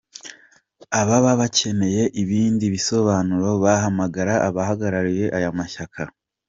Ababa bakeneye ibindi bisobanuro bahamagara abahagarariye aya mashyaka: